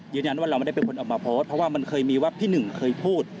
ยืนยันว่าเราไม่ได้เป็นคนออกมาโพสต์เพราะว่ามันเคยมีว่าพี่หนึ่งเคยพูด